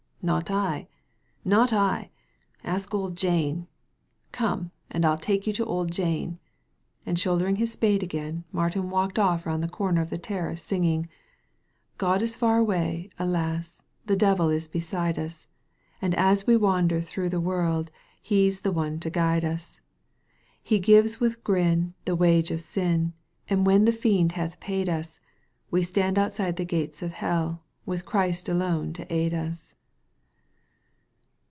« Not I ! Not 1 1 Ask old Jane. Come, and I'll take you to old Jane ;" and shouldering his spade again, Martin walked off round the comer of the terrace, singing :—God it £ur awmy, alas t The Devil is beside ns ; And as we wander thro' the world. He is the one to guide ns. He giTes with grin, the wage of sin ; And when the fiend hath paid us, We stand outside the gate of Hell, With Christ alone to aid us."